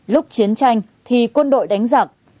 lúc chiến tranh thì quân đội đánh giặc